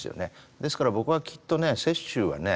ですから僕はきっとね雪舟はね